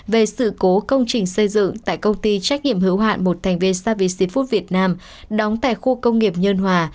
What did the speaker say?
về sự cố công trình xây dựng tại công ty trách nhiệm hữu hạn một thành viên savi food việt nam đóng tại khu công nghiệp nhân hòa